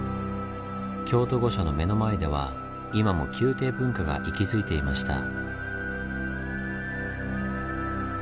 京都御所の目の前では今も宮廷文化が息づいていました。